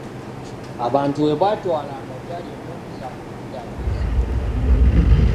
Abantu bwe baatwalanga gy'ali emmundu zaabwe okuddaabirizibwa.